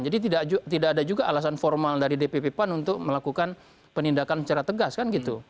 jadi tidak ada juga alasan formal dari dpp pan untuk melakukan penindakan secara tegas kan gitu